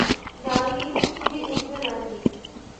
Darling, তুমি উঠবে নাকি?